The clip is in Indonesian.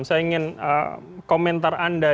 saya ingin komentar anda